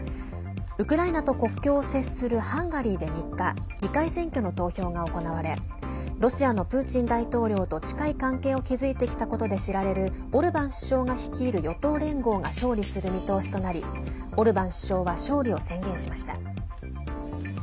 ウクライナと国境を接するハンガリーで３日、議会選挙の投票が行われロシアのプーチン大統領と近い関係を築いてきたことで知られるオルバン首相が率いる与党連合が勝利する見通しとなりオルバン首相は勝利を宣言しました。